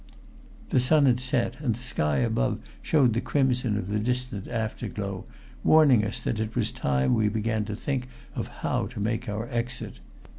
The sun had set, and the sky above showed the crimson of the distant afterglow, warning us that it was time we began to think of how to make our exit.